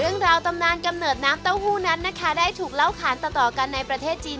เรื่องราวตำนานกำหนอดนับเต้าหู้นะคะได้ถูกเล่าข่าประเทศจีน